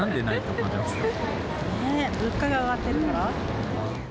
物価が上がってるから。